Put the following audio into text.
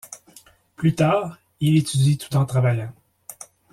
Plus tard, il étudie tout en travaillant.